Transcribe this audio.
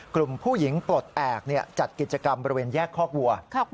กลุ่มผู้หญิงปลดแอบจัดกิจกรรมบริเวณแยกคอกวัว